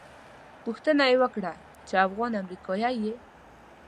پوښتنه یې وکړه چې افغان امریکایي یې.